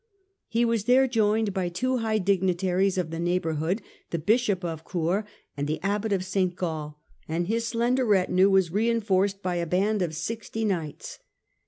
He was there joined by two high dignitaries of the neigh bourhood, the Bishop of Coire and the Abbot of St. Gall, and his slender retinue was reinforced by a band of sixty knights.